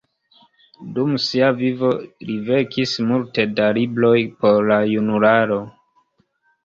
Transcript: Dum sia vivo li verkis multe da libroj por la junularo.